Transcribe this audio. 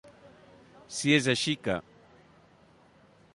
Si és així que.